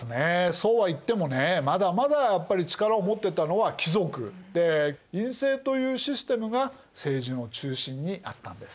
そうは言ってもねまだまだやっぱり力を持ってたのは貴族で院政というシステムが政治の中心にあったんです。